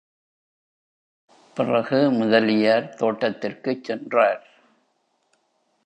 பிறகு, முதலியார் தோட்டத்திற்குச் சென்றார்.